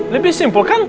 lebih simpel kan